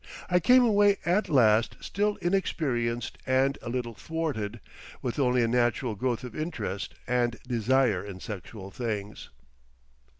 I came away at last, still inexperienced and a little thwarted, with only a natural growth of interest and desire in sexual things.